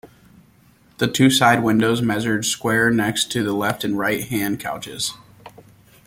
The two side windows measured square next to the left and right-hand couches.